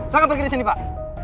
silahkan pergi disini pak